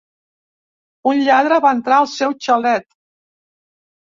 Un lladre va entrar al seu xalet